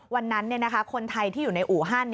วันนั้นคนไทยที่อยู่ในอู่ฮั่น